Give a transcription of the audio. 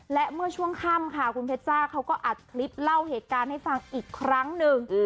และเมื่อช่วงค่ำค่ะคุณเพชรจ้าเขาก็อัดคลิปเล่าเหตุการณ์ให้ฟังอีกครั้งหนึ่ง